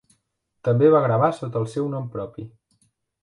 També va gravar sota el seu nom propi.